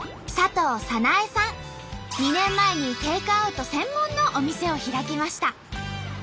２年前にテイクアウト専門のお店を開きました。